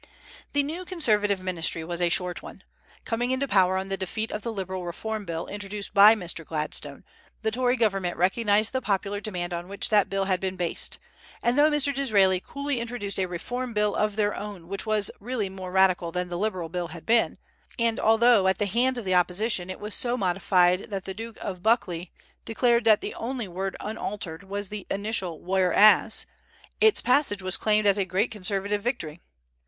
The new Conservative ministry was a short one. Coming into power on the defeat of the Liberal reform bill introduced by Mr. Gladstone, the Tory government recognized the popular demand on which that bill had been based; and though Mr. Disraeli coolly introduced a reform bill of their own which was really more radical than the Liberal bill had been, and although at the hands of the opposition it was so modified that the Duke of Buccleuch declared that the only word unaltered was the initial "whereas," its passage was claimed as a great Conservative victory.